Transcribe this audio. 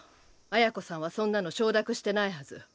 綾子さんはそんなの承諾してないはず。